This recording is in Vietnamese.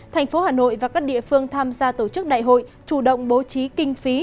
thành phố hà nội và các địa phương tham gia tổ chức đại hội chủ động bố trí kinh phí